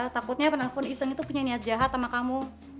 takutnya penelpon iseng itu punya niat jahat sama kamu